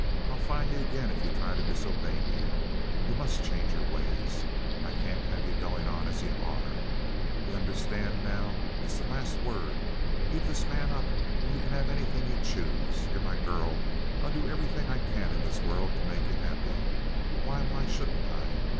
I'll find ye again if ye try to disobey me. Ye must change yer ways. I can't have ye goin' on as ye are. Ye understand now. It's the last word. Give this man up, and ye can have anything ye choose. Ye're my girl—I'll do everything I can in this world to make ye happy. Why, why shouldn't I?